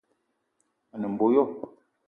A ne mbo yo